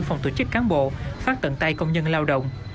phòng tổ chức cán bộ phát tận tay công nhân lao động